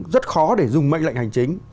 rất khó để dùng mệnh lệnh hành chính